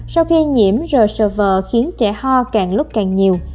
sau khi nhiễm rsv khiến trẻ ho càng lúc càng nhiều